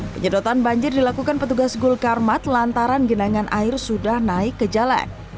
penyedotan banjir dilakukan petugas gul karmat lantaran genangan air sudah naik ke jalan